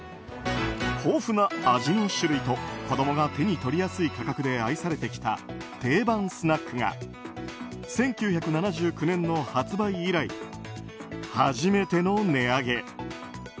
豊富な味の種類と子供が手に取りやすい価格で愛されてきた定番スナックが１９７９年の発売以来初めての値上げ。